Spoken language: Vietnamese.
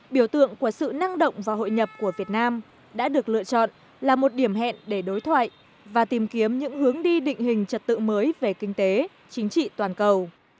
biểu tượng của sự năng động và hội nhập của việt nam đã được lựa chọn là một điểm hẹn để đối thoại và tìm kiếm những hướng đi định hình trật tự mới về kinh tế chính trị toàn cầu